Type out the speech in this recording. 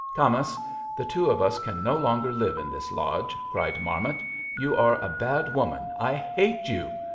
"'Camas, the two of us can no longer live in this lodge,' cried Marmot. 'You are a bad woman! I hate you!